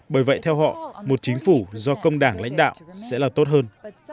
bởi vậy theo họ một chính phủ do công đảng lãnh đạo sẽ là tốt hơn